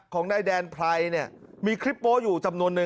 ของนายแดนพลายเนี่ยมีคลิปโป้อยู่